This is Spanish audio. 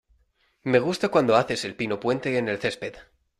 Me gusta cuando haces el pino puente en el césped.